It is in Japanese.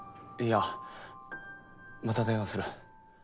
いやまた電話する。